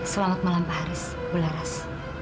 selamat malam pak haris bu laras